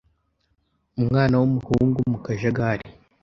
umwana w'umuhungu mu kajagari